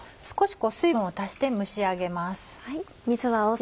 少し水分を足して蒸しあげます。